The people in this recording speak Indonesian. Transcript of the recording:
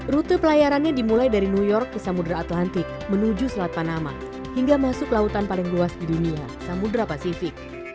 rute pelayarannya dimulai dari new york ke samudera atlantik menuju selat panama hingga masuk lautan paling luas di dunia samudera pasifik